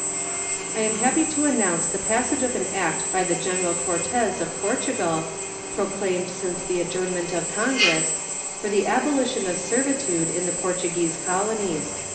I am happy to announce the passage of an act by the General Cortes of Portugal, proclaimed since the adjournment of Congress, for the abolition of servitude in the Portuguese colonies.